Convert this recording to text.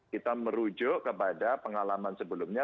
kita merujuk kepada pengalaman sebelumnya